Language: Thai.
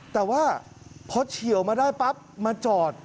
แต่ว่าพอเฉียวมาได้ปั๊บมาจอด